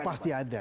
oh pasti ada